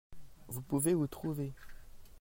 Vous pouvez vous trouver.